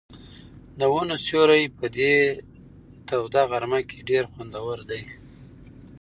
د ونو سیوری په دې توده غرمه کې ډېر خوندور دی.